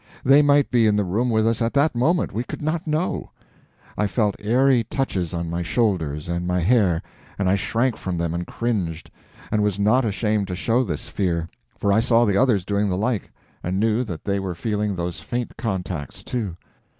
They might be in the room with us at that moment—we could not know. I felt airy touches on my shoulders and my hair, and I shrank from them and cringed, and was not ashamed to show this fear, for I saw the others doing the like, and knew that they were feeling those faint contacts too.